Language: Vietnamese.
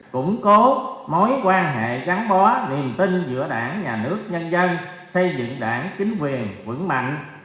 củng cố mối quan hệ gắn bó niềm tin giữa đảng nhà nước nhân dân xây dựng đảng chính quyền vững mạnh